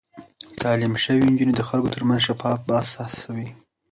تعليم شوې نجونې د خلکو ترمنځ شفاف بحث هڅوي.